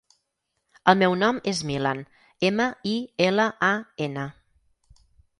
El meu nom és Milan: ema, i, ela, a, ena.